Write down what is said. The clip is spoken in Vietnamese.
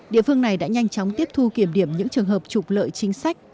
địa phương này đã nhanh chóng tiếp thu kiểm điểm những trường hợp trục lợi chính sách